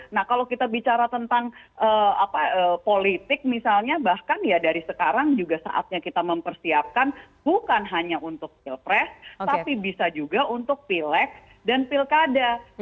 nah kalau kita bicara tentang politik misalnya bahkan ya dari sekarang juga saatnya kita mempersiapkan bukan hanya untuk pilpres tapi bisa juga untuk pileg dan pilkada